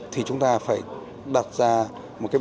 thì chúng ta phải đặt ra một cái bài tập